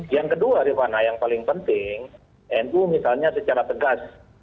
yang kedua rifana yang paling penting nu misalnya secara tegas